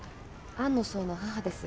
安野爽の母です。